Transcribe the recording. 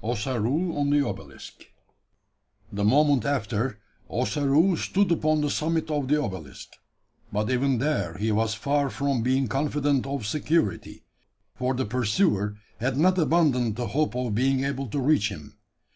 OSSAROO ON THE OBELISK. The moment after, Ossaroo stood upon the summit of the obelisk. But even there he was far from being confident of security: for the pursuer had not abandoned the hope of being able to reach him.